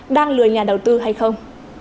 đang lừa nhà đầu tư hay không